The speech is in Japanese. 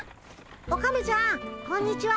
オカメちゃんこんにちは。